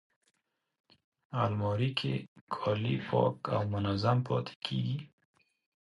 الماري کې کالي پاک او منظم پاتې کېږي